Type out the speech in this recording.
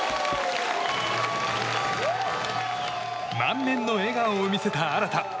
満面の笑顔を見せた荒田。